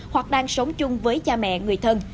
hoặc đang sống chung với cha mẹ người thân